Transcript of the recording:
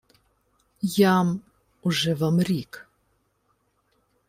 — Я-м уже вам рік...